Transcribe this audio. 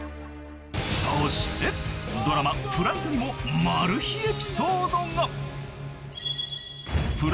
［そしてドラマ『プライド』にもマル秘エピソードが］